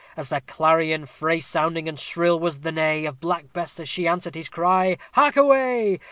As the clarion, fray sounding and shrill, was the neigh Of Black Bess, as she answered his cry "Hark away!"